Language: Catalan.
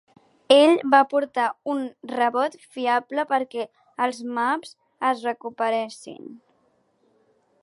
Ell va portar un rebot fiable perquè els Mavs es recuperessin.